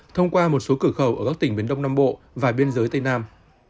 thông qua một số cửa khẩu ở các tỉnh miền đông nam bộ và biên giới tây nam